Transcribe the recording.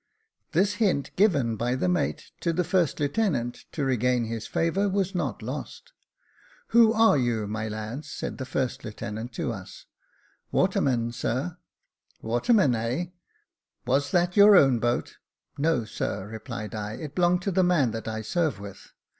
This hint, given by the mate to the first lieutenant, to regain his favour, was not lost. "Who are you, my lads ?" sjud the first lieutenant to us. " Watermen, sir." "Watermen, heh ! was that your own boat ?" "No, sir," replied I; "it belonged to the man that I serve with."